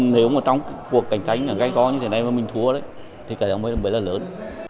nếu mà trong cuộc cạnh tranh gây con như thế này mà mình thua thì cái nặng mới là lớn